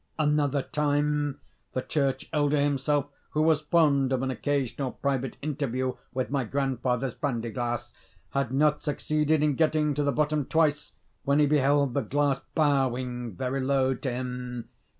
Another time, the church elder himself, who was fond of an occasional private interview with my grandfather's brandy glass, had not succeeded in getting to the bottom twice, when he beheld the glass bowing very low to him.